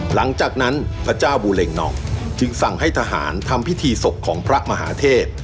หลังจากนั้นพระเจ้าบูเล็งนองจึงสั่งให้ทหารทำพิธีศพของพระมหาเทพ